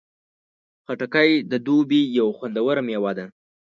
خټکی د دوبی یو خوندور میوه ده.